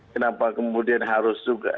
kenapa kemudian harus juga